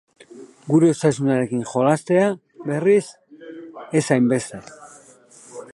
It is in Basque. Gure osasunarekin jolastea, berriz, ez hainbeste.